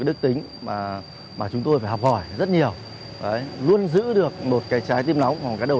đức tính mà chúng tôi phải học hỏi rất nhiều luôn giữ được một cái trái tim nóng bằng cái đầu